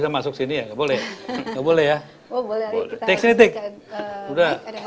mana otik tuh